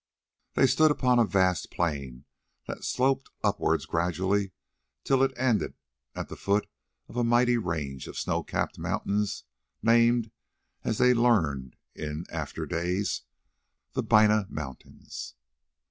They stood upon a vast plain that sloped upwards gradually till it ended at the foot of a mighty range of snow capped mountains named, as they learned in after days, the Bina Mountains.